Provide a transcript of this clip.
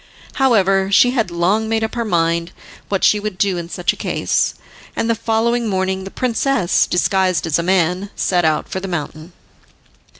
However she had long made up her mind what she would do in such a case, and the following morning the princess, disguised as a man, set out for the mountain.